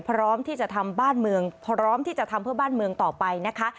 พร้อมที่จะทำบ้านเมืองพร้อมที่จะทำเพื่อบ้านเมืองต่อไปนะคะ